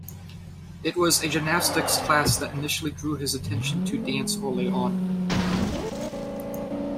It was a gymnastics class that initially drew his attention to dance early on.